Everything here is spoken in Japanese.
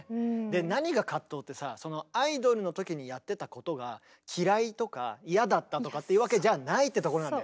で何が藤ってさそのアイドルの時にやってたことが嫌いとか嫌だったとかっていうわけじゃないってところなんだよね。